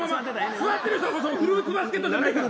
座ってる人、フルーツバスケットじゃないから。